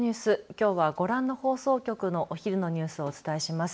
きょうはご覧の放送局のお昼のニュースをお伝えします。